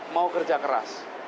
mau kerja keras